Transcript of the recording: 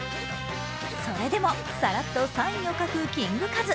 それでも、さらっとサインを書くキングカズ。